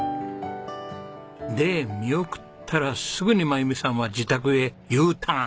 で見送ったらすぐに真由美さんは自宅へＵターン。